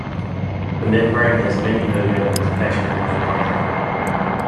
The membrane has many nerve endings packed with mitochondria.